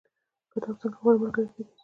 کتاب څنګه غوره ملګری کیدی شي؟